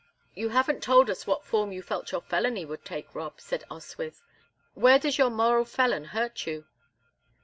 "You haven't told us what form you felt your felony would take, Rob," said Oswyth. "Where does your moral felon hurt you?"